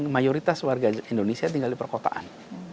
mayoritas warga indonesia tinggal di perkotaan